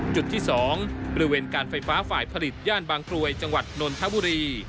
จุดที่๒บริเวณการไฟฟ้าฝ่ายผลิตย่านบางกรวยจังหวัดนนทบุรี